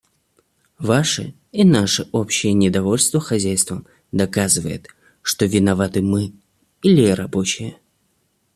Ваше и наше общее недовольство хозяйством доказывает, что виноваты мы или рабочие.